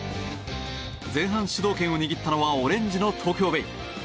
前半、主導権を握ったのはオレンジの東京ベイ。